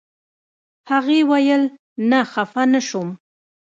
هغې ویل نه خپه نه شوم.